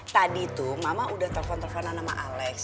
tadi tuh mama udah telpon telpon sama alex